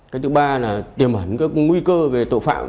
cái thứ ba là tiềm hẳn các nguy cơ về tội phạm